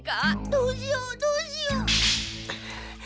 どうしようどうしよう！